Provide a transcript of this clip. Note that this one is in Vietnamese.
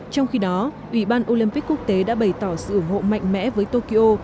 trong khi đó ủy ban olympic quốc tế đã bày tỏ sự ủng hộ mạnh mẽ với tokyo